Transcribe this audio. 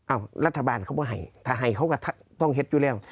รัฐบาลเขาก็ให้ถ้าให้เขาก็ต้องเห็นอยู่แล้ว